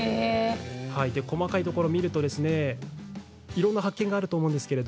細かいところを見るといろんな発見があると思います。